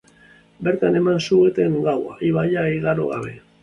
Bertan eman zuten gaua, ibaia igaro gabe.